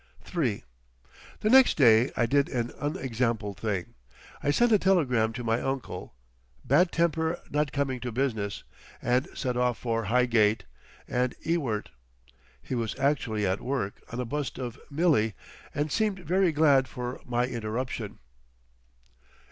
III The next day I did an unexampled thing. I sent a telegram to my uncle, "Bad temper not coming to business," and set off for Highgate and Ewart. He was actually at work—on a bust of Millie, and seemed very glad for any interruption.